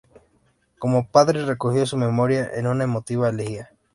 Como padre recogió su memoria en una emotiva elegía.